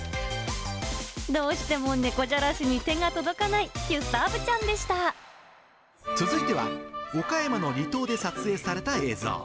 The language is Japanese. どうしても猫じゃらしに手が届かないギュスターヴちゃんでし続いては、岡山の離島で撮影された映像。